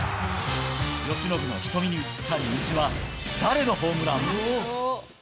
由伸の瞳に映った虹は、誰のホームラン？